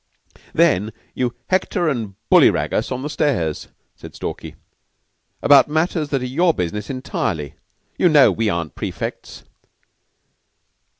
"Then you hector and bullyrag us on the stairs," said Stalky, "about matters that are your business entirely. You know we aren't prefects."